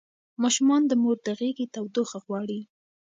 ماشومان د مور د غېږې تودوخه غواړي.